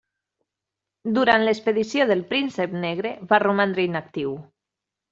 Durant l'expedició del Príncep Negre va romandre inactiu.